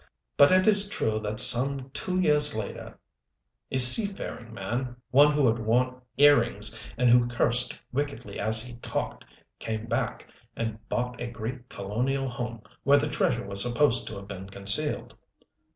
But it is true that some two years later a seafaring man, one who had worn earrings and who cursed wickedly as he talked, came back and bought a great colonial home where the treasure was supposed to have been concealed.